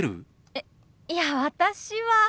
えいや私は。